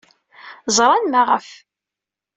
Ẓran maɣef.